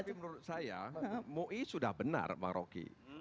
tapi menurut saya mui sudah benar marokki